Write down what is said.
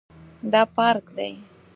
دا پارک دی